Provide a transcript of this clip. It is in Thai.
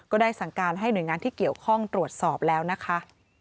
ได้สั่งการให้หน่วยงานที่เกี่ยวข้องตรวจสอบแล้วนะคะ